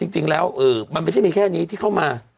จริงแล้วมันไม่ใช่มีแค่นี้ที่เข้ามา